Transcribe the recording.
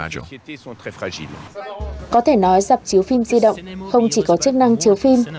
có thể nói dạp chiếu phim di động không chỉ có chức năng chiếu phim